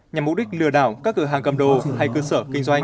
nhằm mục đích lừa đảo các cửa hàng cầm đồ hay cơ sở kinh doanh